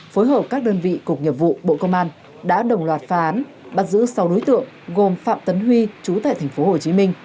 phối hợp các đơn vị cục nghiệp vụ bộ công an đã đồng loạt phá án bắt giữ sáu đối tượng gồm phạm tấn huy chú tại tp hcm